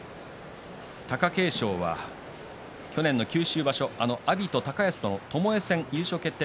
貴景勝は去年の九州場所あの阿炎と高安の優勝決定